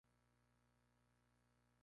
Manuel Girona y la Pl.